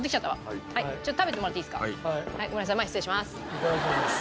いただきます。